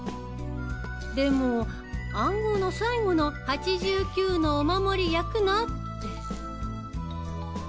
でも暗号の最後の「８９のお守り焼くな」って。